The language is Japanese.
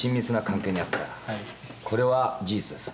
これは事実です。